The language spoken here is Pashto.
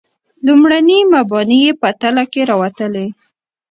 لومړني مباني یې په تله کې راوتلي.